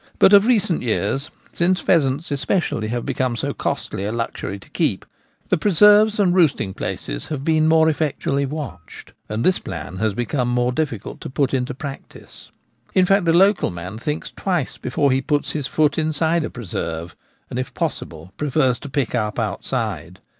But of recent years, since pheasants especially have become so costly a luxury to keep, the preserves and roosting places have been more effectually watched, and this plan has become more difficult to put in practice. In fact, the local man thinks twice before he puts his foot inside a preserve, and, if possible, prefers to pick up outside.